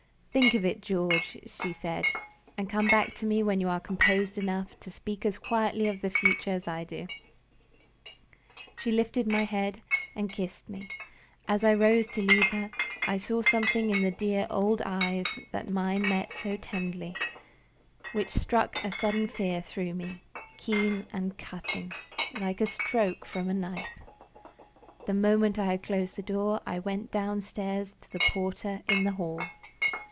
"Think of it, George," she said. "And come back to me when you are composed enough to speak as quietly of the future as I do." She lifted my head and kissed me. As I rose to leave her, I saw something in the dear old eyes that met mine so tenderly, which struck a sudden fear through me, keen and cutting, like a stroke from a knife. The moment I had closed the door, I went downstairs to the porter in the hall.